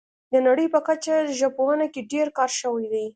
د نړۍ په کچه په ژبپوهنه کې ډیر کار شوی دی